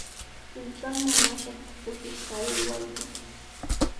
Tullpanman mashakuq kushishqa aywarqan.